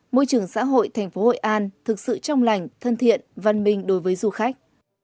môi trường xã hội thành phố hội an thực sự trong lành thân thiện văn minh đối với du khách